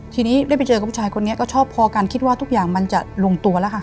ทีนี้ได้ไปเจอกับผู้ชายคนนี้ก็ชอบพอกันคิดว่าทุกอย่างมันจะลงตัวแล้วค่ะ